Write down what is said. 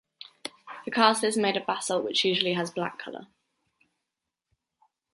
The castle is made of basalt which usually has black color.